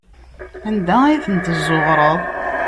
Anda ay tent-tezzuɣreḍ?